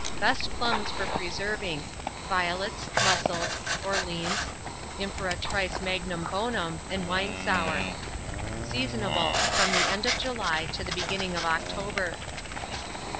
Best plums for preserving. Violets, Mussels, Orleans, Impératrice Magnum bonum, and Winesour. Seasonable from the end of July to the beginning of October.